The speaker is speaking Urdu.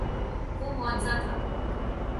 وہ معجزہ تھا۔